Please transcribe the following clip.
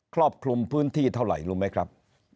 ครอบคลุมพื้นที่เท่าไหร่รู้ไหมครับ